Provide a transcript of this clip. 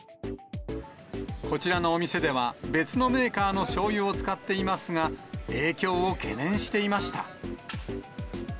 こちらのお店では、別のメーカーのしょうゆを使っていますが、影響を懸念していました。